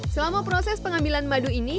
selama proses pengambilan madu ini